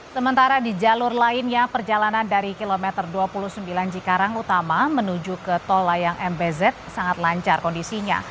sementara di jalur lainnya perjalanan dari kilometer dua puluh sembilan cikarang utama menuju ke tol layang mbz sangat lancar kondisinya